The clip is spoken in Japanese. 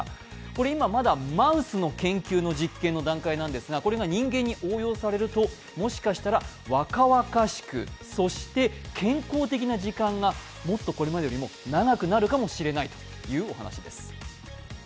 これ今マウスの研究の実験の段階なんですがこれが人間に応用されるともしかしたら若々しく、そして健康的な時間がもっとこれまでよりも長くなるかもしれないというお話です。